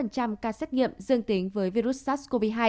ca xét nghiệm dương tính với virus sars cov hai